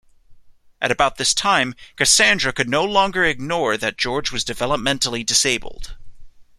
At about this time Cassandra could no longer ignore that George was developmentally disabled.